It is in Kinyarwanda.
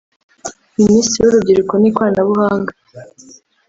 Ministiri w’Urubyiruko n’Ikoranabuhanga